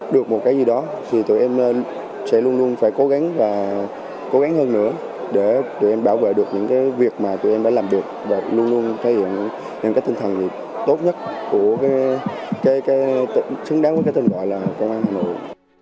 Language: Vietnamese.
được một cái gì đó thì tụi em sẽ luôn luôn phải cố gắng và cố gắng hơn nữa để tụi em bảo vệ được những cái việc mà tụi em đã làm được và luôn luôn thể hiện những cái tinh thần tốt nhất của cái tên gọi là công an hà nội